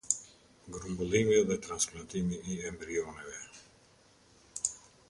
Grumbullimi dhe transplantimi i embrioneve.